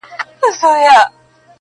• سمدستي یې لاندي ټوپ وو اچولی -